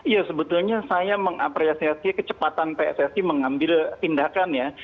ya sebetulnya saya mengapresiasi kecepatan pssi mengambil tindakan ya